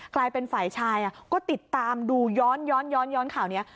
กลายเป็นฝ่ายชายก็ติดตามดูย้อนข่าวนี้